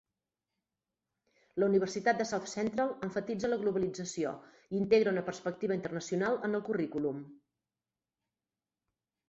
La Universitat de South Central emfatitza la globalització i integra una perspectiva internacional en el currículum.